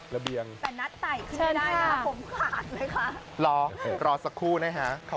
เดี๋ยวพี่ตกประตูโรงให้ละกัน